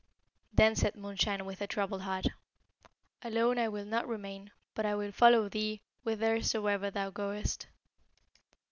Then said Moonshine with a troubled heart, 'Alone I will not remain, but I will follow thee whithersoever thou goest.'